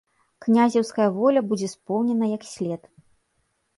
Князеўская воля будзе споўнена як след.